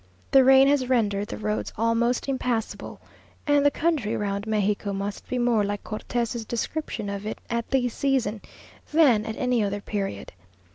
The rain has rendered the roads almost impassible, and the country round Mexico must be more like Cortes's description of it at this season, than at any other period.